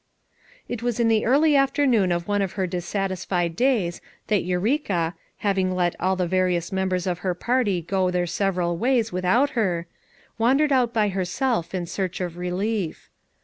It was in the early afternoon of one of her dissatisfied days that Eureka, having let all the various members of her party go their several Tvays without her, wandered out by herself in search of relief.